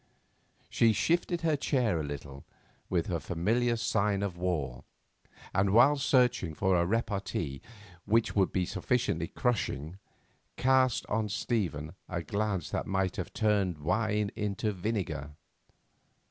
She shifted her chair a little, with her a familiar sign of war, and while searching for a repartee which would be sufficiently crushing, cast on Stephen a glance that might have turned wine into vinegar.